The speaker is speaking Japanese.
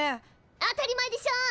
当たり前でしょ！